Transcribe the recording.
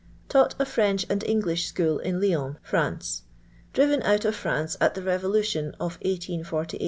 Taught n French and English school in Lyons, France. Driven out of France at the Eevolution of 1843. Pennilesi.